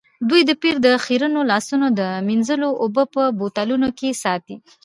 دوی د پیر د خیرنو لاسونو د مینځلو اوبه په بوتلونو کې ساتي.